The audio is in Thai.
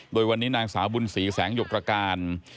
โดยวันนี้นางสาวบุญศรีแสงหยกตรการ